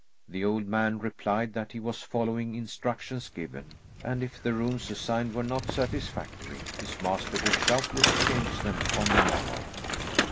The old man replied that he was following instructions given, and if the rooms assigned were not satisfactory, his master would doubtless change them on the morrow.